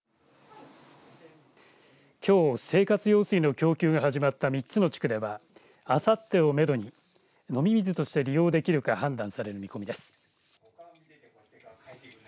きょう生活用水の供給が始まった３つの地区ではあさってをめどに飲み水として利用できるか判断される見込みです。